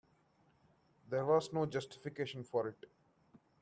There was no justification for it.